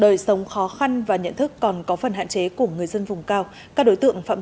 đời sống khó khăn và nhận thức còn có phần hạn chế của người dân vùng cao các đối tượng phạm